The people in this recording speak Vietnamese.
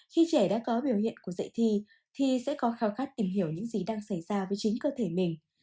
khi trẻ đã có biểu hiện của dạy thi thì sẽ có khảo khát tìm hiểu những gì đang xảy ra với chính cơ thể mình